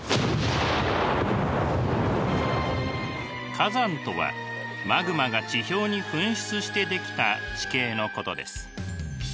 火山とはマグマが地表に噴出してできた地形のことです。